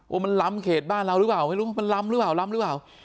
มันล้ำเขตบ้านเราหรือเปล่าไม่รู้มันล้ำหรือเปล่าล้ำหรือเปล่า